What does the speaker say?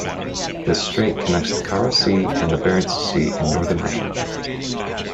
This strait connects the Kara Sea and the Barents Sea in northern Russia.